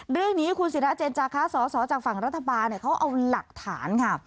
เรื่องนี้คุณศิราเจนจาคะสอสอจากฝั่งรัฐบาลเขาเอาหลักฐานค่ะ